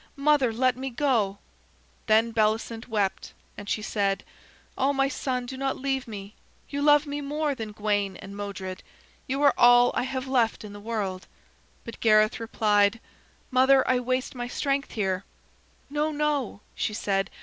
Mother, let me go!" Then Bellicent wept, and she said: "Oh, my son, do not leave me. You love me more than Gawain and Modred. You are all I have left in the world." But Gareth replied: "Mother, I waste my strength here." "No, no," she said.